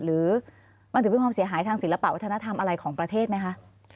หรือมันถือเป็นความเสียหายทางศิลปะวัฒนธรรมอะไรของประเทศไหมคะ